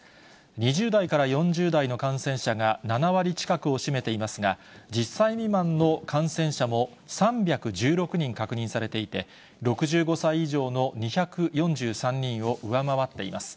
２０代から４０代の感染者が７割近くを占めていますが、１０歳未満の感染者も３１６人確認されていて、６５歳以上の２４３人を上回っています。